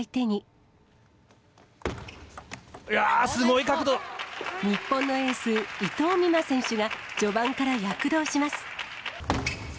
いやぁ、日本のエース、伊藤美誠選手が、序盤から躍動します。